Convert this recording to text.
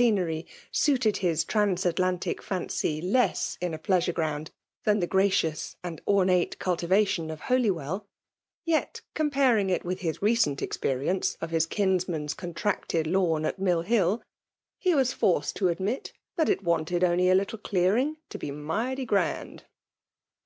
a^enery suited his transatlantic fam^ less in a pleasure ground, than the gracious and i^ate oultivation of Holywell, yet comparing a06 PBMALE JXNIIKilTKIH. itividi Ub leoent experience of hk ImunoBa^ oontraoted lawn at Mill Hill, he was fnroed to admit that it wanted only a little dealing to he mighty grand.